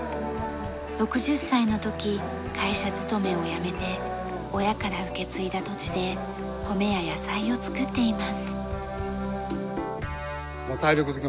６０歳の時会社勤めを辞めて親から受け継いだ土地で米や野菜を作っています。